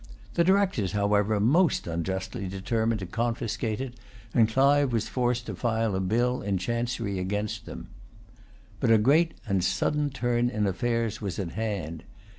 The Directors, however, most unjustly determined to confiscate it, and Clive was forced to file a bill in chancery against them. But a great and sudden turn in affairs was at hand.